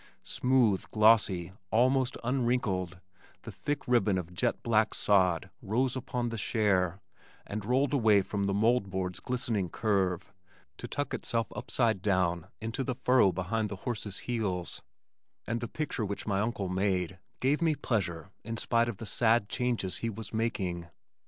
Smooth, glossy, almost unwrinkled the thick ribbon of jet black sod rose upon the share and rolled away from the mold board's glistening curve to tuck itself upside down into the furrow behind the horse's heels, and the picture which my uncle made, gave me pleasure in spite of the sad changes he was making.